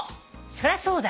そりゃそうだ。